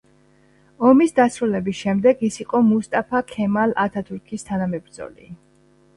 ომის დასრულების შემდეგ ის იყო მუსტაფა ქემალ ათათურქის თანამებრძოლი.